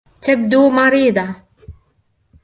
تبدو مريضة.